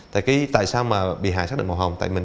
tại vì khi đối tượng thực hiện